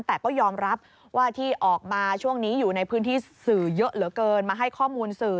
แต่ก็ยอมรับว่าที่ออกมาช่วงนี้อยู่ในพื้นที่สื่อเยอะเหลือเกินมาให้ข้อมูลสื่อ